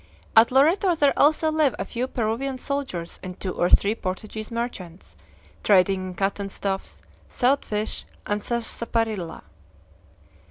At Loreto there also live a few Peruvian soldiers and two or three Portuguese merchants, trading in cotton stuffs, salt fish, and sarsaparilla.